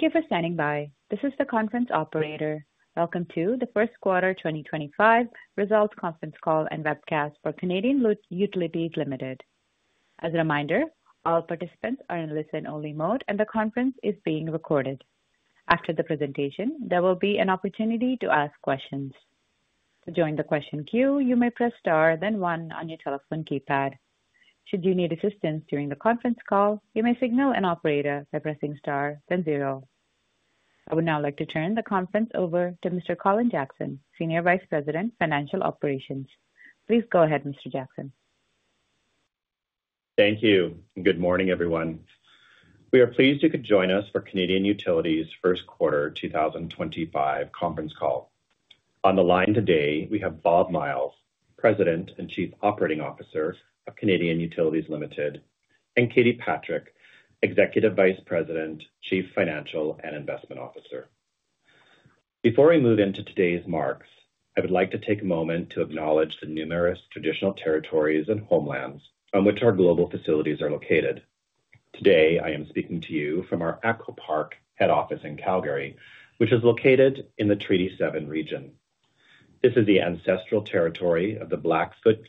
Thank you for standing by. This is the conference operator. Welcome to the first quarter 2025 results conference call and webcast for Canadian Utilities Limited. As a reminder, all participants are in listen-only mode, and the conference is being recorded. After the presentation, there will be an opportunity to ask questions. To join the question queue, you may press star, then one on your telephone keypad. Should you need assistance during the conference call, you may signal an operator by pressing star, then zero. I would now like to turn the conference over to Mr. Colin Jackson, Senior Vice President, Financial Operations. Please go ahead, Mr. Jackson. Thank you. Good morning, everyone. We are pleased you could join us for Canadian Utilities' first quarter 2025 conference call. On the line today, we have Bob Myles, President and Chief Operating Officer of Canadian Utilities Limited, and Katie Patrick, Executive Vice President, Chief Financial and Investment Officer. Before we move into today's remarks, I would like to take a moment to acknowledge the numerous traditional territories and homelands on which our global facilities are located. Today, I am speaking to you from our Echo Park head office in Calgary, which is located in the Treaty 7 region. This is the ancestral territory of the Blackfoot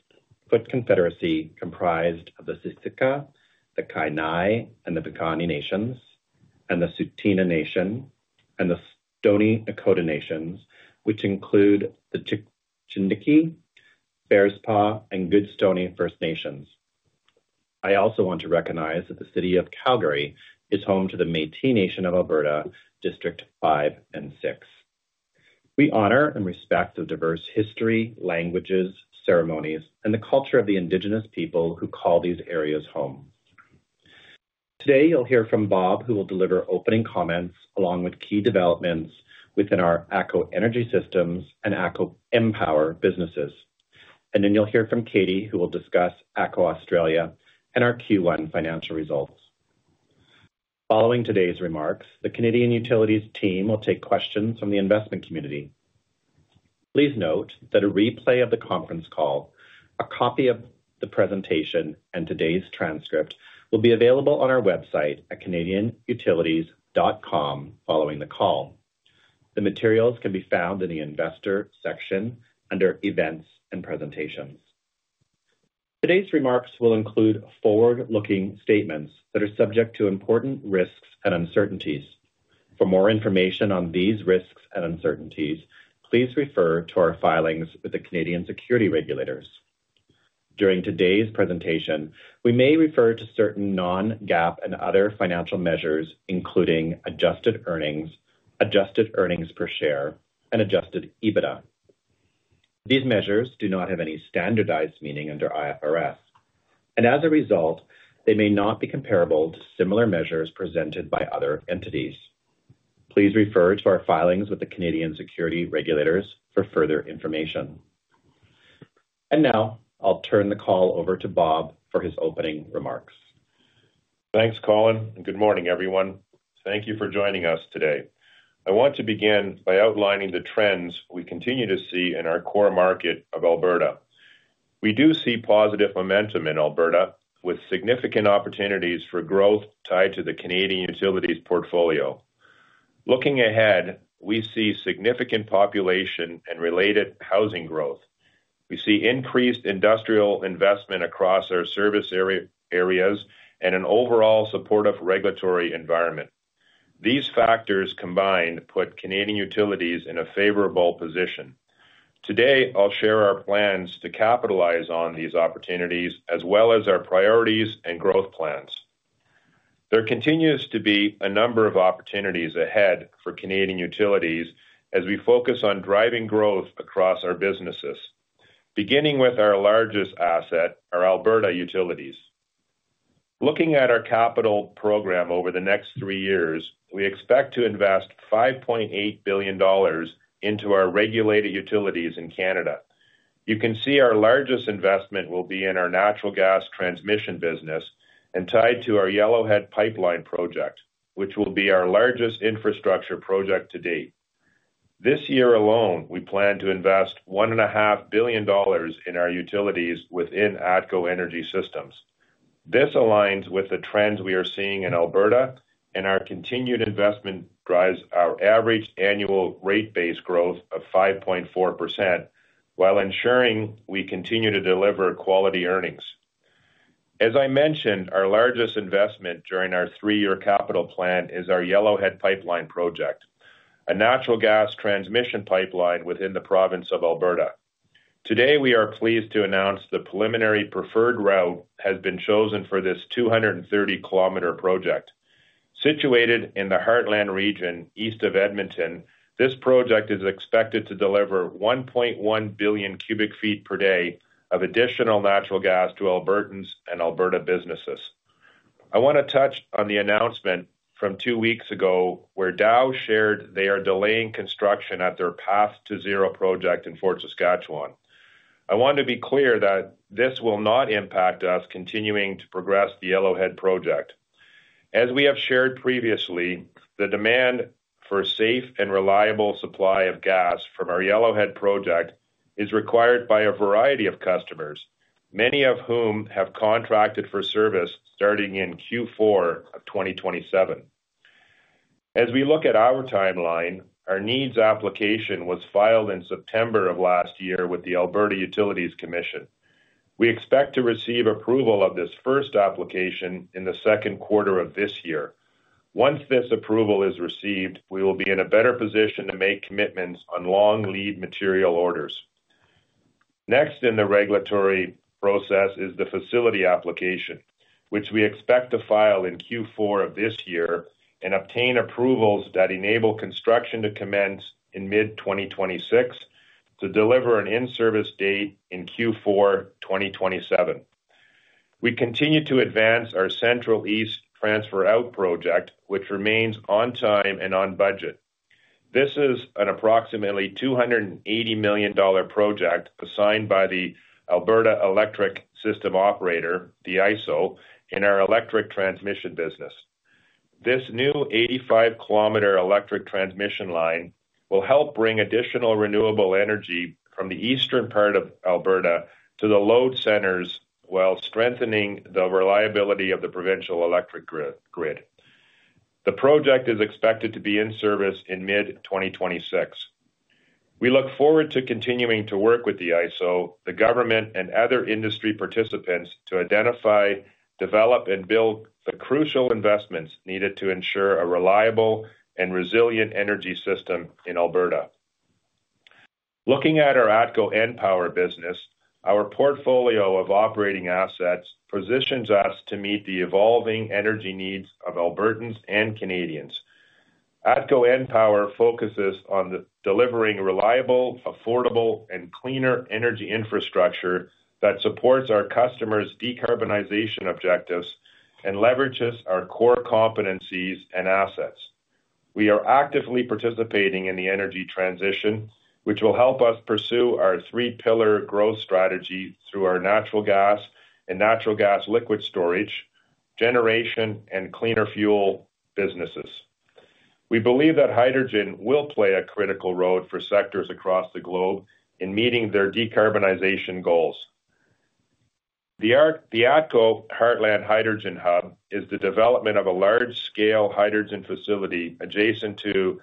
Confederacy, comprised of the Siksika, the Kainai, and the Piikani Nations, and the Tsuut'ina Nation, and the Stoney-Nakoda Nations, which include the Chiniki, Bearspaw, and Goodstoney First Nations. I also want to recognize that the city of Calgary is home to the Métis Nation of Alberta, District 5 and 6. We honor and respect the diverse history, languages, ceremonies, and the culture of the Indigenous people who call these areas home. Today, you'll hear from Bob, who will deliver opening comments along with key developments within our Echo Energy Systems and Echo Empower businesses. You will then hear from Katie, who will discuss Echo Australia and our Q1 financial results. Following today's remarks, the Canadian Utilities team will take questions from the investment community. Please note that a replay of the conference call, a copy of the presentation, and today's transcript will be available on our website at canadianutilities.com following the call. The materials can be found in the Investor section under Events and Presentations. Today's remarks will include forward-looking statements that are subject to important risks and uncertainties. For more information on these risks and uncertainties, please refer to our filings with the Canadian Security Regulators. During today's presentation, we may refer to certain non-GAAP and other financial measures, including adjusted earnings, adjusted earnings per share, and Adjusted EBITDA. These measures do not have any standardized meaning under IFRS, and as a result, they may not be comparable to similar measures presented by other entities. Please refer to our filings with the Canadian Security Regulators for further information. Now I'll turn the call over to Bob for his opening remarks. Thanks, Colin. Good morning, everyone. Thank you for joining us today. I want to begin by outlining the trends we continue to see in our core market of Alberta. We do see positive momentum in Alberta, with significant opportunities for growth tied to the Canadian Utilities portfolio. Looking ahead, we see significant population and related housing growth. We see increased industrial investment across our service areas and an overall supportive regulatory environment. These factors combined put Canadian Utilities in a favorable position. Today, I'll share our plans to capitalize on these opportunities, as well as our priorities and growth plans. There continues to be a number of opportunities ahead for Canadian Utilities as we focus on driving growth across our businesses, beginning with our largest asset, our Alberta Utilities. Looking at our capital program over the next three years, we expect to invest $5.8 billion into our regulated utilities in Canada. You can see our largest investment will be in our natural gas transmission business and tied to our Yellowhead Pipeline project, which will be our largest infrastructure project to date. This year alone, we plan to invest $1.5 billion in our utilities within Echo Energy Systems. This aligns with the trends we are seeing in Alberta, and our continued investment drives our average annual rate-based growth of 5.4%, while ensuring we continue to deliver quality earnings. As I mentioned, our largest investment during our three-year capital plan is our Yellowhead Pipeline project, a natural gas transmission pipeline within the province of Alberta. Today, we are pleased to announce the preliminary preferred route has been chosen for this 230 km project. Situated in the Heartland region east of Edmonton, this project is expected to deliver 1.1 billion cu ft per day of additional natural gas to Albertans and Alberta businesses. I want to touch on the announcement from two weeks ago where Dow shared they are delaying construction at their Path to Zero project in Fort Saskatchewan. I want to be clear that this will not impact us continuing to progress the Yellowhead project. As we have shared previously, the demand for a safe and reliable supply of gas from our Yellowhead project is required by a variety of customers, many of whom have contracted for service starting in Q4 of 2027. As we look at our timeline, our needs application was filed in September of last year with the Alberta Utilities Commission. We expect to receive approval of this first application in the second quarter of this year. Once this approval is received, we will be in a better position to make commitments on long lead material orders. Next in the regulatory process is the facility application, which we expect to file in Q4 of this year and obtain approvals that enable construction to commence in mid-2026 to deliver an in-service date in Q4 2027. We continue to advance our Central East Transfer Out project, which remains on time and on budget. This is an approximately $280 million project assigned by the Alberta Electric System Operator, the ISO, in our electric transmission business. This new 85 km electric transmission line will help bring additional renewable energy from the eastern part of Alberta to the load centers while strengthening the reliability of the provincial electric grid. The project is expected to be in service in mid-2026. We look forward to continuing to work with the ISO, the government, and other industry participants to identify, develop, and build the crucial investments needed to ensure a reliable and resilient energy system in Alberta. Looking at our Echo Empower business, our portfolio of operating assets positions us to meet the evolving energy needs of Albertans and Canadians. Echo Empower focuses on delivering reliable, affordable, and cleaner energy infrastructure that supports our customers' decarbonization objectives and leverages our core competencies and assets. We are actively participating in the energy transition, which will help us pursue our three-pillar growth strategy through our natural gas and natural gas liquid storage generation and cleaner fuel businesses. We believe that hydrogen will play a critical role for sectors across the globe in meeting their decarbonization goals. The Echo Heartland Hydrogen Hub is the development of a large-scale hydrogen facility adjacent to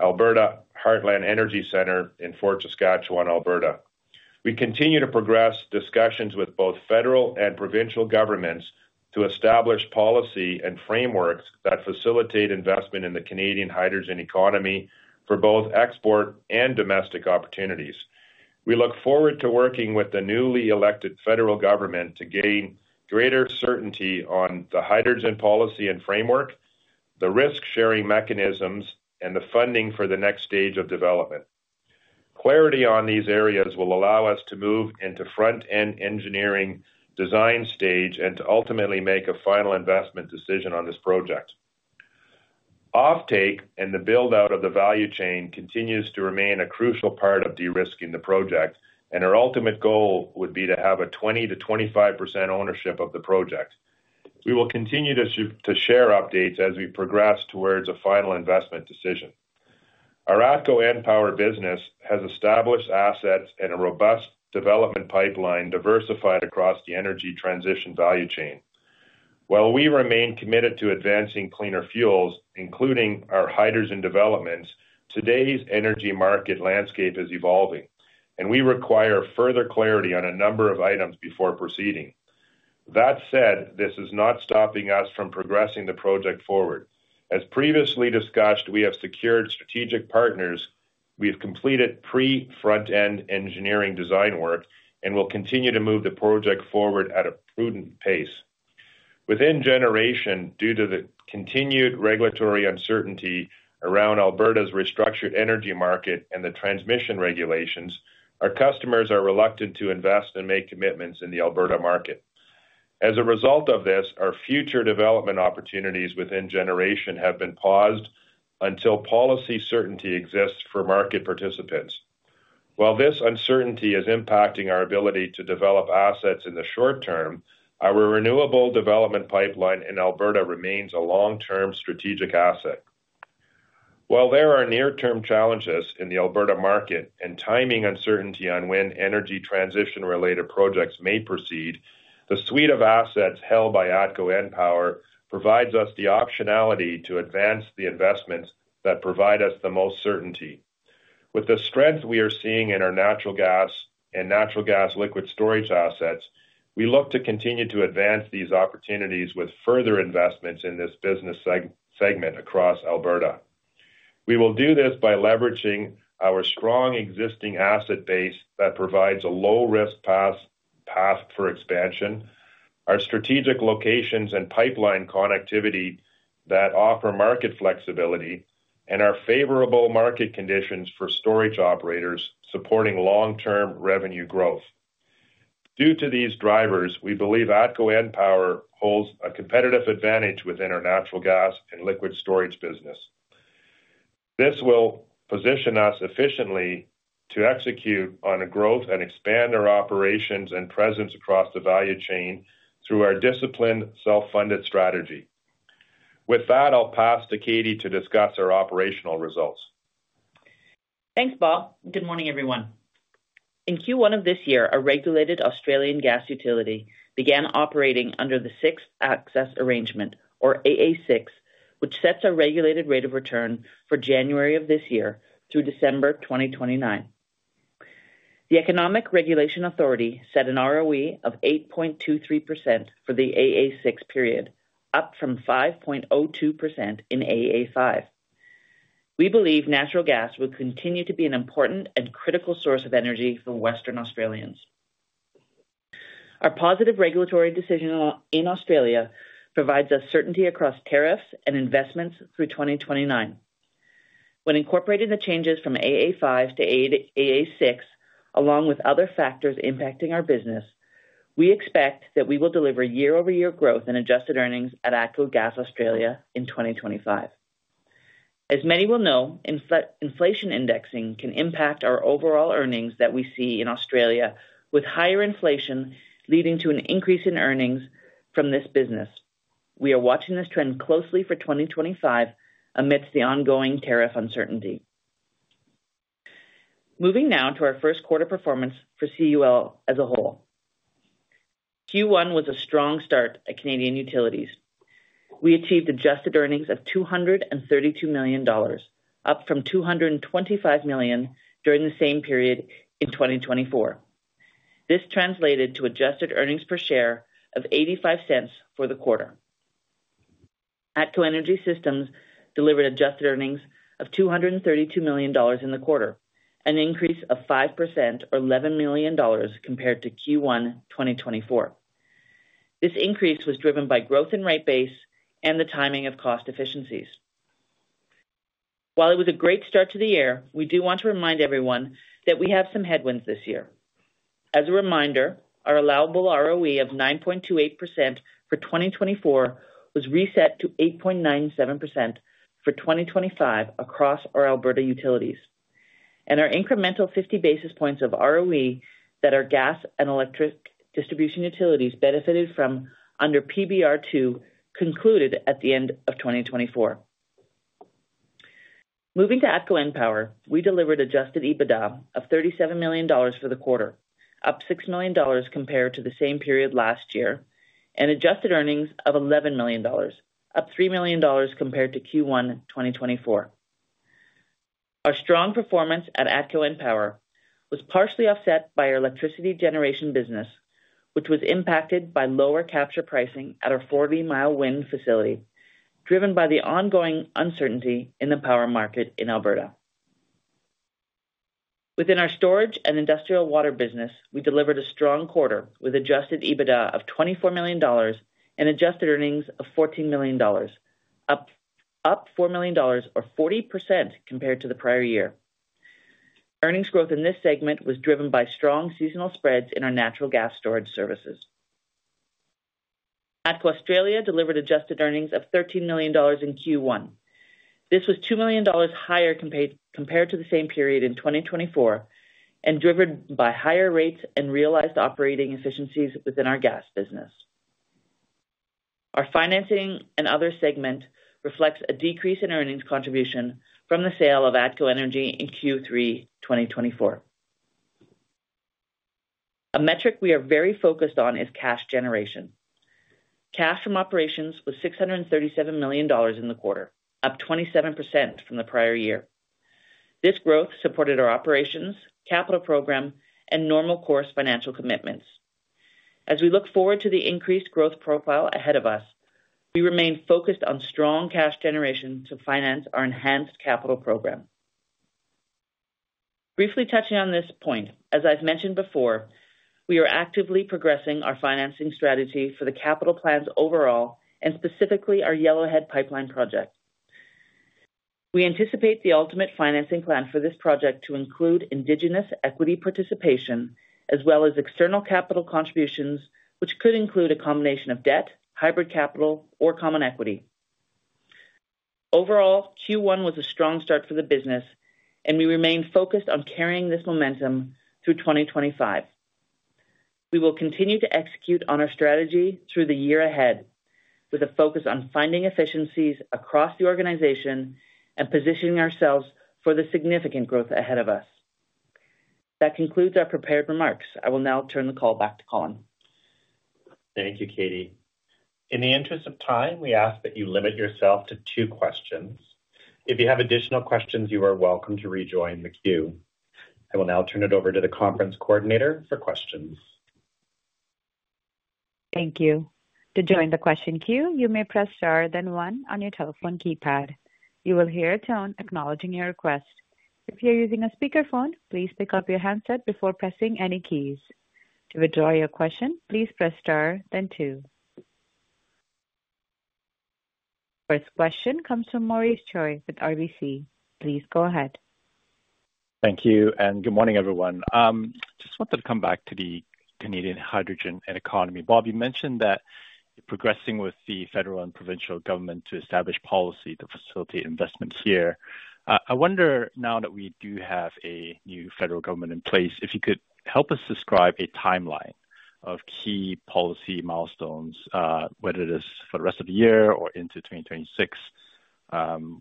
Alberta Heartland Energy Center in Fort Saskatchewan, Alberta. We continue to progress discussions with both federal and provincial governments to establish policy and frameworks that facilitate investment in the Canadian hydrogen economy for both export and domestic opportunities. We look forward to working with the newly elected federal government to gain greater certainty on the hydrogen policy and framework, the risk-sharing mechanisms, and the funding for the next stage of development. Clarity on these areas will allow us to move into front-end engineering design stage and to ultimately make a final investment decision on this project. Offtake and the build-out of the value chain continues to remain a crucial part of de-risking the project, and our ultimate goal would be to have a 20%-25% ownership of the project. We will continue to share updates as we progress towards a final investment decision. Our Echo Empower business has established assets and a robust development pipeline diversified across the energy transition value chain. While we remain committed to advancing cleaner fuels, including our hydrogen developments, today's energy market landscape is evolving, and we require further clarity on a number of items before proceeding. That said, this is not stopping us from progressing the project forward. As previously discussed, we have secured strategic partners, we have completed pre-front-end engineering design work, and we'll continue to move the project forward at a prudent pace. Within generation, due to the continued regulatory uncertainty around Alberta's restructured energy market and the transmission regulations, our customers are reluctant to invest and make commitments in the Alberta market. As a result of this, our future development opportunities within generation have been paused until policy certainty exists for market participants. While this uncertainty is impacting our ability to develop assets in the short term, our renewable development pipeline in Alberta remains a long-term strategic asset. While there are near-term challenges in the Alberta market and timing uncertainty on when energy transition-related projects may proceed, the suite of assets held by Echo Empower provides us the optionality to advance the investments that provide us the most certainty. With the strength we are seeing in our natural gas and natural gas liquid storage assets, we look to continue to advance these opportunities with further investments in this business segment across Alberta. We will do this by leveraging our strong existing asset base that provides a low-risk path for expansion, our strategic locations and pipeline connectivity that offer market flexibility, and our favorable market conditions for storage operators supporting long-term revenue growth. Due to these drivers, we believe Echo Empower holds a competitive advantage within our natural gas and liquid storage business. This will position us efficiently to execute on growth and expand our operations and presence across the value chain through our disciplined self-funded strategy. With that, I'll pass to Katie to discuss our operational results. Thanks, Bob. Good morning, everyone. In Q1 of this year, a regulated Australian gas utility began operating under the Sixth Access Arrangement, or AA6, which sets a regulated rate of return for January of this year through December 2029. The Economic Regulation Authority set an ROE of 8.23% for the AA6 period, up from 5.02% in AA5. We believe natural gas will continue to be an important and critical source of energy for Western Australians. Our positive regulatory decision in Australia provides us certainty across tariffs and investments through 2029. When incorporating the changes from AA5 to AA6, along with other factors impacting our business, we expect that we will deliver year-over-year growth in adjusted earnings at Echo Gas Australia in 2025. As many will know, inflation indexing can impact our overall earnings that we see in Australia, with higher inflation leading to an increase in earnings from this business. We are watching this trend closely for 2025 amidst the ongoing tariff uncertainty. Moving now to our first quarter performance for CUL as a whole. Q1 was a strong start at Canadian Utilities. We achieved adjusted earnings of $232 million, up from $225 million during the same period in 2024. This translated to adjusted earnings per share of $0.85 for the quarter. Echo Energy Systems delivered adjusted earnings of $232 million in the quarter, an increase of 5% or $11 million compared to Q1 2024. This increase was driven by growth in rate base and the timing of cost efficiencies. While it was a great start to the year, we do want to remind everyone that we have some headwinds this year. As a reminder, our allowable ROE of 9.28% for 2024 was reset to 8.97% for 2025 across our Alberta utilities. Our incremental 50 basis points of ROE that our gas and electric distribution utilities benefited from under PBR 2 concluded at the end of 2024. Moving to Echo Empower, we delivered Adjusted EBITDA of $37 million for the quarter, up $6 million compared to the same period last year, and adjusted earnings of $11 million, up $3 million compared to Q1 2024. Our strong performance at Echo Empower was partially offset by our electricity generation business, which was impacted by lower capture pricing at our 40-Mile Wind Facility, driven by the ongoing uncertainty in the power market in Alberta. Within our Storage and Industrial Water business, we delivered a strong quarter with Adjusted EBITDA of $24 million and adjusted earnings of $14 million, up $4 million or 40% compared to the prior year. Earnings growth in this segment was driven by strong seasonal spreads in our natural gas storage services. Echo Australia delivered adjusted earnings of $13 million in Q1. This was $2 million higher compared to the same period in 2024 and driven by higher rates and realized operating efficiencies within our gas business. Our financing and other segment reflects a decrease in earnings contribution from the sale of Echo Energy in Q3 2024. A metric we are very focused on is cash generation. Cash from operations was $637 million in the quarter, up 27% from the prior year. This growth supported our operations, capital program, and normal course financial commitments. As we look forward to the increased growth profile ahead of us, we remain focused on strong cash generation to finance our enhanced capital program. Briefly touching on this point, as I've mentioned before, we are actively progressing our financing strategy for the capital plans overall and specifically our Yellowhead pipeline project. We anticipate the ultimate financing plan for this project to include Indigenous equity participation as well as external capital contributions, which could include a combination of debt, hybrid capital, or common equity. Overall, Q1 was a strong start for the business, and we remain focused on carrying this momentum through 2025. We will continue to execute on our strategy through the year ahead with a focus on finding efficiencies across the organization and positioning ourselves for the significant growth ahead of us. That concludes our prepared remarks. I will now turn the call back to Colin. Thank you, Katie. In the interest of time, we ask that you limit yourself to two questions. If you have additional questions, you are welcome to rejoin the queue. I will now turn it over to the conference coordinator for questions. Thank you. To join the question queue, you may press star then one on your telephone keypad. You will hear a tone acknowledging your request. If you're using a speakerphone, please pick up your handset before pressing any keys. To withdraw your question, please press star then two. First question comes from Maurice Choy with RBC. Please go ahead. Thank you. Good morning, everyone. I just wanted to come back to the Canadian hydrogen and economy. Bob, you mentioned that you're progressing with the federal and provincial government to establish policy to facilitate investment here. I wonder now that we do have a new federal government in place, if you could help us describe a timeline of key policy milestones, whether it is for the rest of the year or into 2026,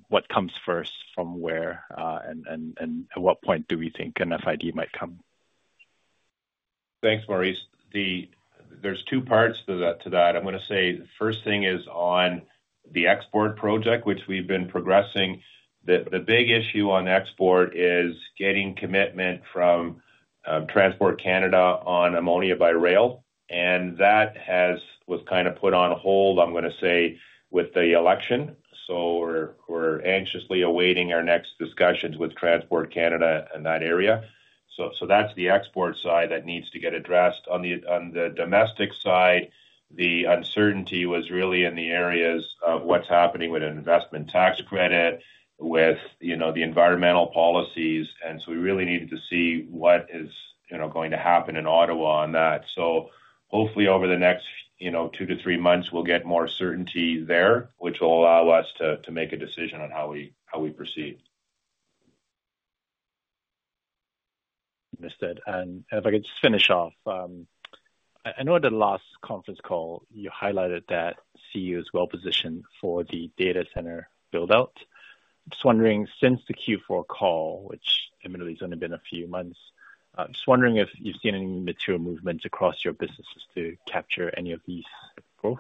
what comes first, from where, and at what point do we think an FID might come? Thanks, Maurice. There's two parts to that. I'm going to say the first thing is on the export project, which we've been progressing. The big issue on export is getting commitment from Transport Canada on ammonia by rail. That was kind of put on hold, I'm going to say, with the election. We're anxiously awaiting our next discussions with Transport Canada in that area. That's the export side that needs to get addressed. On the domestic side, the uncertainty was really in the areas of what's happening with an investment tax credit, with the environmental policies. We really needed to see what is going to happen in Ottawa on that. Hopefully over the next two to three months, we'll get more certainty there, which will allow us to make a decision on how we proceed. Understood. If I could just finish off, I know at the last conference call, you highlighted that CU is well positioned for the data center build-out. Just wondering, since the Q4 call, which admittedly has only been a few months, just wondering if you've seen any material movements across your businesses to capture any of these growth?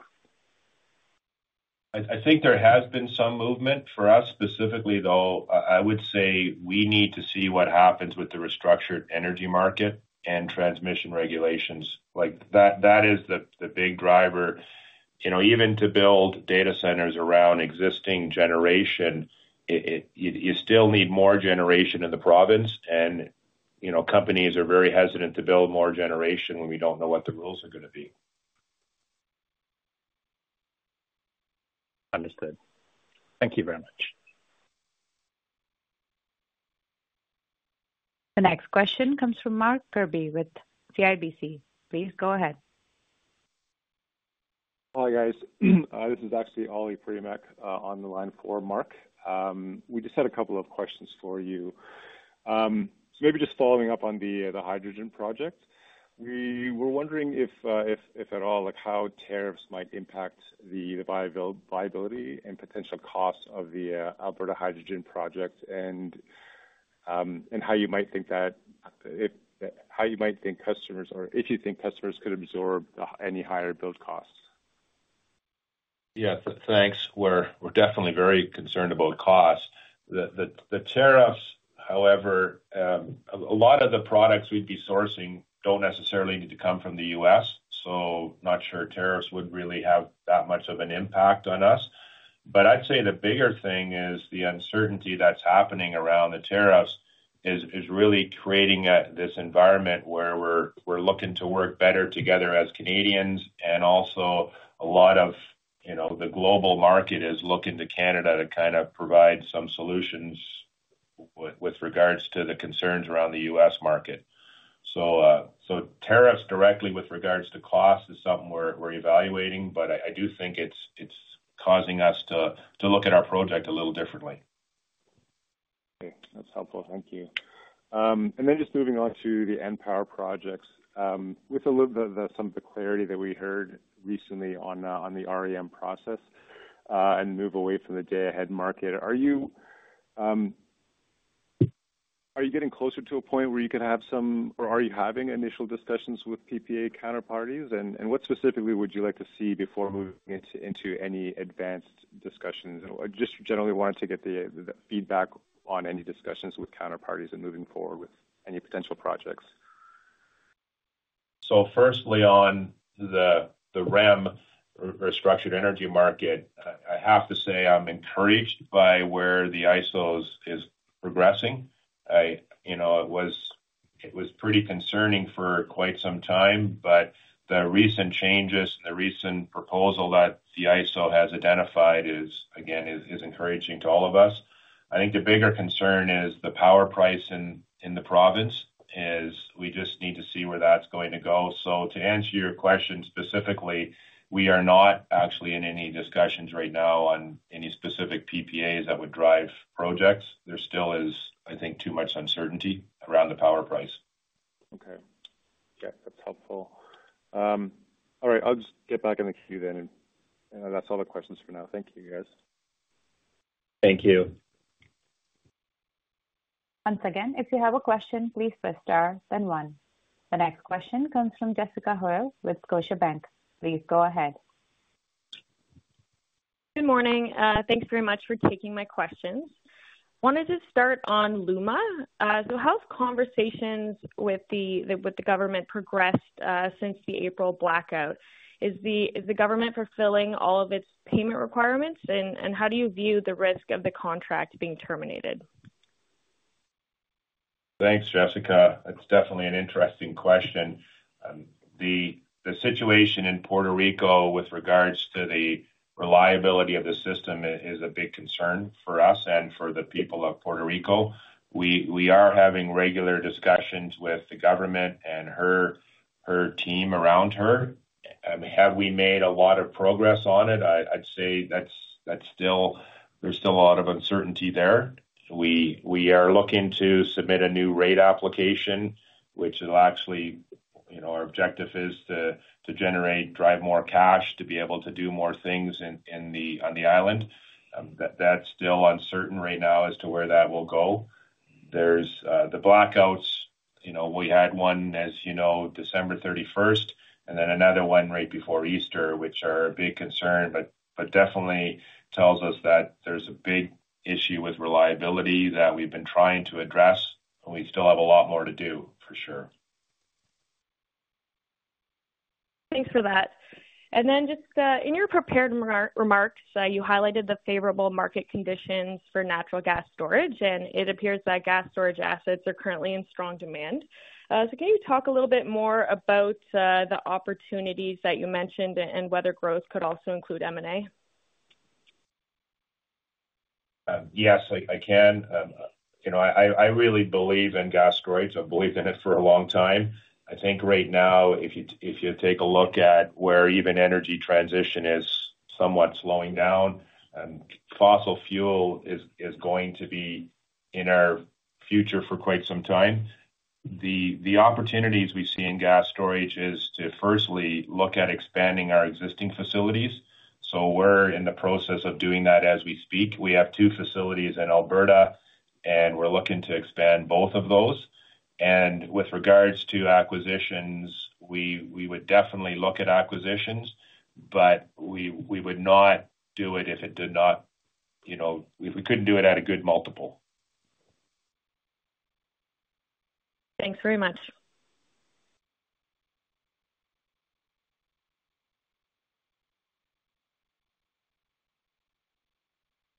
I think there has been some movement. For us specifically, though, I would say we need to see what happens with the Restructured Energy Market and transmission regulations. That is the big driver. Even to build data centers around existing generation, you still need more generation in the province. Companies are very hesitant to build more generation when we do not know what the rules are going to be. Understood. Thank you very much. The next question comes from Mark [Perbi] with CIBC. Please go ahead. Hi guys. This is actually Ollie Primak on the line for Mark. We just had a couple of questions for you. Maybe just following up on the hydrogen project, we were wondering if at all how tariffs might impact the viability and potential cost of the Alberta hydrogen project and how you might think that, how you might think customers or if you think customers could absorb any higher build costs. Yeah, thanks. We're definitely very concerned about cost. The tariffs, however, a lot of the products we'd be sourcing don't necessarily need to come from the U.S. Not sure tariffs would really have that much of an impact on us. I'd say the bigger thing is the uncertainty that's happening around the tariffs is really creating this environment where we're looking to work better together as Canadians. Also, a lot of the global market is looking to Canada to kind of provide some solutions with regards to the concerns around the U.S. market. Tariffs directly with regards to cost is something we're evaluating, but I do think it's causing us to look at our project a little differently. That's helpful. Thank you. Just moving on to the EmPower projects, with some of the clarity that we heard recently on the REM process and move away from the day-ahead market, are you getting closer to a point where you can have some, or are you having initial discussions with PPA counterparties? What specifically would you like to see before moving into any advanced discussions? Just generally wanted to get the feedback on any discussions with counterparties and moving forward with any potential projects. Firstly on the REM or structured energy market, I have to say I'm encouraged by where the ISO is progressing. It was pretty concerning for quite some time, but the recent changes, the recent proposal that the ISO has identified is, again, is encouraging to all of us. I think the bigger concern is the power price in the province is we just need to see where that's going to go. To answer your question specifically, we are not actually in any discussions right now on any specific PPAs that would drive projects. There still is, I think, too much uncertainty around the power price. Okay. Yeah, that's helpful. All right, I'll just get back in the queue then. That's all the questions for now. Thank you, guys. Thank you. Once again, if you have a question, please press star then one. The next question comes from Jessica Hoyle with Scotiabank. Please go ahead. Good morning. Thanks very much for taking my questions. I wanted to start on LUMA. How have conversations with the government progressed since the April blackout? Is the government fulfilling all of its payment requirements? How do you view the risk of the contract being terminated? Thanks, Jessica. It's definitely an interesting question. The situation in Puerto Rico with regards to the reliability of the system is a big concern for us and for the people of Puerto Rico. We are having regular discussions with the government and her team around her. Have we made a lot of progress on it? I'd say that's still there's still a lot of uncertainty there. We are looking to submit a new rate application, which will actually our objective is to generate, drive more cash to be able to do more things on the island. That's still uncertain right now as to where that will go. There's the blackouts. We had one, as you know, December 31st, and then another one right before Easter, which are a big concern, but definitely tells us that there's a big issue with reliability that we've been trying to address. We still have a lot more to do for sure. Thanks for that. In your prepared remarks, you highlighted the favorable market conditions for natural gas storage, and it appears that gas storage assets are currently in strong demand. Can you talk a little bit more about the opportunities that you mentioned and whether growth could also include M&A? Yes, I can. I really believe in gas storage. I've believed in it for a long time. I think right now, if you take a look at where even energy transition is somewhat slowing down, fossil fuel is going to be in our future for quite some time. The opportunities we see in gas storage is to firstly look at expanding our existing facilities. We are in the process of doing that as we speak. We have two facilities in Alberta, and we are looking to expand both of those. With regards to acquisitions, we would definitely look at acquisitions, but we would not do it if we could not do it at a good multiple. Thanks very much.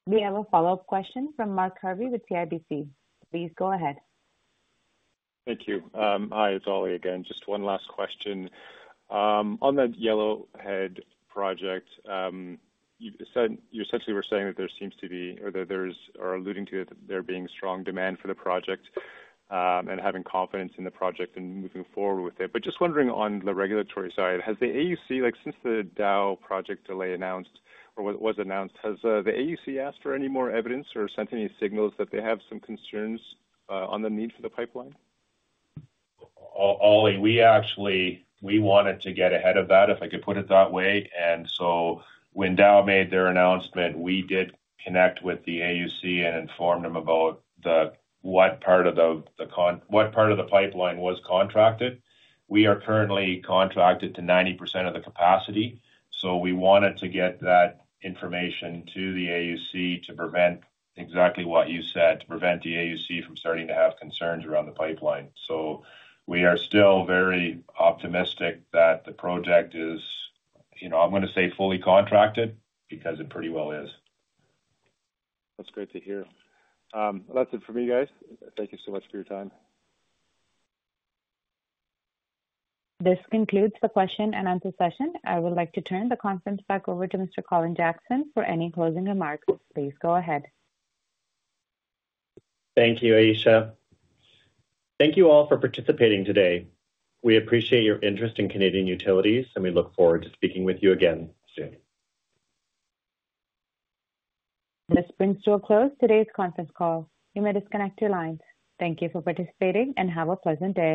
We have a follow-up question from Mark [Perbi] with CIBC. Please go ahead. Thank you. Hi, it's Ollie again. Just one last question. On that Yellowhead Project, you essentially were saying that there seems to be or that there's alluding to that there being strong demand for the project and having confidence in the project and moving forward with it. Just wondering on the regulatory side, has the AUC, since the Dow project delay announced or was announced, has the AUC asked for any more evidence or sent any signals that they have some concerns on the need for the pipeline? Ollie, we actually wanted to get ahead of that, if I could put it that way. When Dow made their announcement, we did connect with the AUC and informed them about what part of the pipeline was contracted. We are currently contracted to 90% of the capacity. We wanted to get that information to the AUC to prevent exactly what you said, to prevent the AUC from starting to have concerns around the pipeline. We are still very optimistic that the project is, I'm going to say, fully contracted because it pretty well is. That's great to hear. That's it for me, guys. Thank you so much for your time. This concludes the question and answer session. I would like to turn the conference back over to Mr. Colin Jackson for any closing remarks. Please go ahead. Thank you, Ayesha. Thank you all for participating today. We appreciate your interest in Canadian Utilities, and we look forward to speaking with you again soon. This brings to a close today's conference call. You may disconnect your lines. Thank you for participating and have a pleasant day.